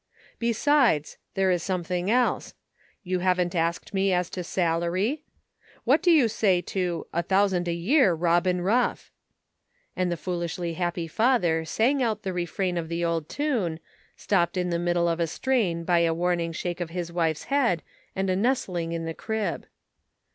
Besides, there is something else — you havn't asked me as to salary ? What do you say to 'a thousand a year, Robin Rough?'" and the foolishly happy father rang out the refrain of the old tune, stopped in the middle of a strain by a warning shake of his wife's head and a nestling in the crib.